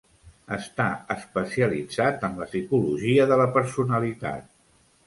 Està especialitzat en la psicologia de la personalitat.